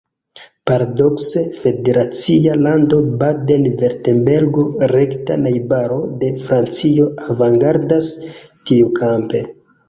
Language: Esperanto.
Paradokse, federacia lando Baden-Virtembergo, rekta najbaro de Francio, avangardas tiukampe.